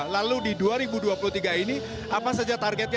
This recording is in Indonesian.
lalu di dua ribu dua puluh tiga ini apa saja targetnya